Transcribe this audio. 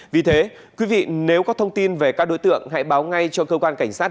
vì thế quý vị nếu có thông tin về các đối tượng hãy báo ngay cho cơ quan cảnh sát